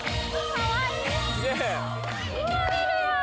かわいい！